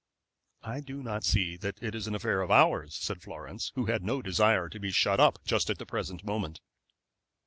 "I do not see that that is an affair of ours," said Florence, who had no desire to be shut up just at the present moment.